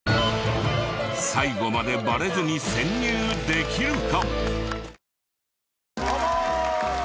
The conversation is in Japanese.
最後までバレずに潜入できるか？